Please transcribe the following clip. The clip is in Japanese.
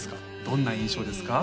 どんな印象ですか？